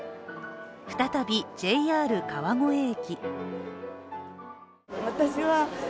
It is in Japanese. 再びＪＲ川越駅。